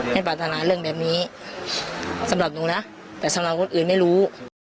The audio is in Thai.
ปรารถนาเรื่องแบบนี้สำหรับหนูนะแต่สำหรับคนอื่นไม่รู้